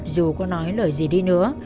dù có nói lời gì đi nữa